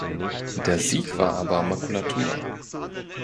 Der Sieg war aber Makulatur.